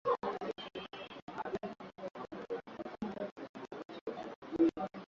upatikanaji wa staha kwa abiria wa darasa la tatu ulikuwa mdogo